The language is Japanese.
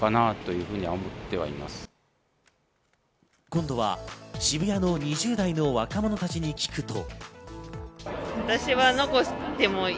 今度は渋谷の２０代の若者たちに聞くと。